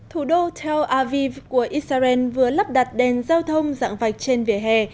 thủ đô tel aviv của israel vừa lắp đặt đèn giao thông dạng vạch trên vỉa hè